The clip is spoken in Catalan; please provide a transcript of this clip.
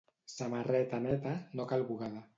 Samarreta neta, no cal bugada.